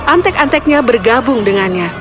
antek anteknya bergabung dengannya